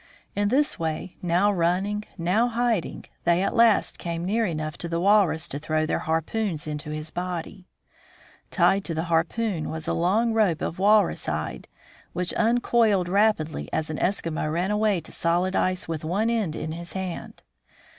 In this way — now running, now hiding — they at last came near enough to the walrus to throw their harpoon into its body. Tied to the harpoon was a long 45 46 THE FROZEN NORTH rope of walrus hide, which uncoiled rapidly as an Eskimo ran away to solid ice with one end in his hand.